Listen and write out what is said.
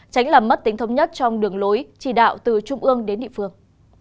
tránh làm mất tính thống nhất trong đường lối chỉ đạo từ trung ương đến địa phương